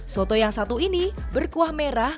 soto yang satu ini berkuah merah